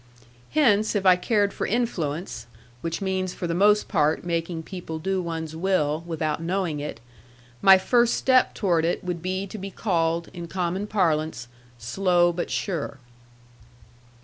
Hence, if I cared for influence which means, for the most part, making people do one's will, without knowing it my first step toward it would be to be called, in common parlance, 'slow but sure.'